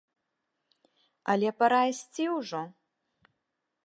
Але пара ісці ўжо!